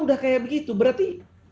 udah kayak begitu berarti